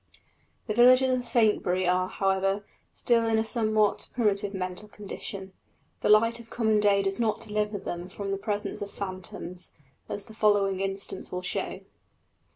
The villagers of Saintbury are, however, still in a somewhat primitive mental condition; the light of common day does not deliver them from the presence of phantoms, as the following instance will show.